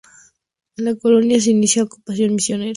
En la colonia se inicia la ocupación misionera hacia la selva.